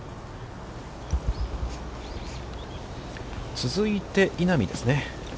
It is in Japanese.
続いて、稲見ですね。